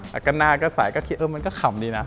แล้วก็หน้าก็ใส่ก็คิดเออมันก็ขำดีนะ